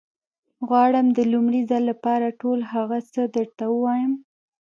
غواړم د لومړي ځل لپاره ټول هغه څه درته ووايم.